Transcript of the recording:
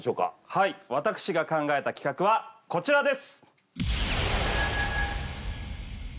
はい私が考えた企画はこちらです